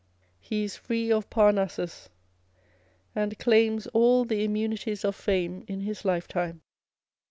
He is free of Parnassus, and claims all the immunities of fame in his lifetime.